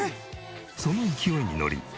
その勢いにのり。